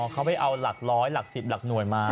เขาไปเอาหลักร้อยหลัก๑๐หลักหน่วยมา